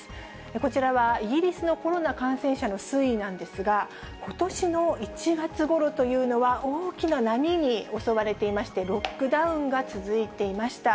こちらは、イギリスのコロナ感染者のすいいなんですがことしの１月ごろというのは、大きな波に襲われていまして、ロックダウンが続いていました。